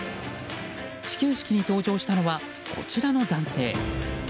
始球式に登場したのはこちらの男性。